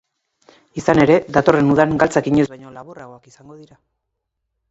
Izan ere, datorren udan galtzak inoiz baino laburragoak izango dira.